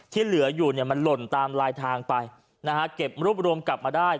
ที่เหลืออยู่เนี่ยมันหล่นตามลายทางไปนะฮะเก็บรวบรวมกลับมาได้